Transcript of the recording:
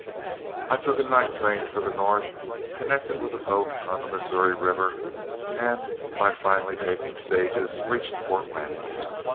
I took a night train for the north, connected with a boat on the Missouri River, and by finally taking stage reached Fort Randall.